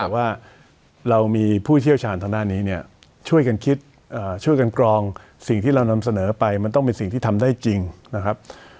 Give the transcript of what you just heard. ฝ่ามีผู้เที่ยวชาญทางด้านนี้เนี่ยช่วยกันทิศช่วยกันกรองสิ่งที่เรานำเสนอไปมันต้องลงได้จริงนะครับ